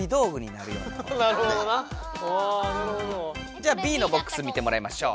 じゃあＢのボックス見てもらいましょう。